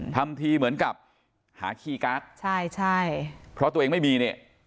ทำทีเหมือนกับหาคีย์การ์ดใช่ใช่เพราะตัวเองไม่มีเนี่ย